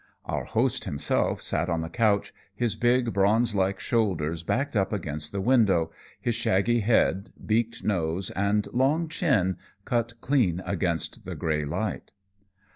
Our host himself sat on the couch, his big, bronze like shoulders backed up against the window, his shaggy head, beaked nose, and long chin cut clean against the gray light.